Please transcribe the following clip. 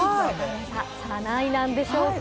何位なんでしょうか。